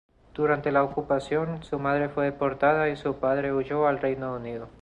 Durante la Ocupación, su madre fue deportada, y su padre huyó al Reino Unido.